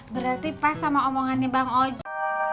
berarti pas sama omongannya bang ojek